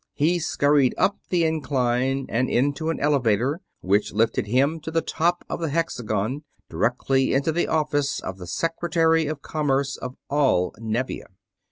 He scurried up the incline and into an elevator which lifted him to the top of the hexagon, directly into the office of the Secretary of Commerce of all Nevia.